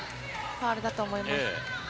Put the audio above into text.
ファウルだと思います。